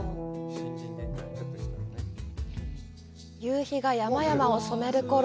夕日が山々を染めるころ